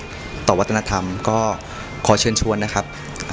ที่จะมาสาธิตวิธีการรำนุราซึ่งเป็นการแสดงของพี่น้องชาวปากใต้นะครับ